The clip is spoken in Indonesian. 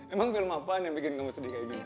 emang film apaan yang bikin kamu sedih kayak gini